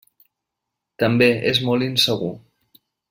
També és molt insegur.